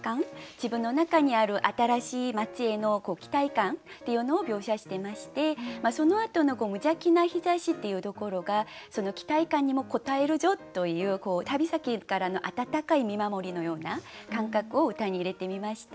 自分の中にある新しいまちへの期待感っていうのを描写してましてそのあとの「無邪気な日差し」っていうところがその期待感にも応えるぞという旅先からの温かい見守りのような感覚を歌に入れてみました。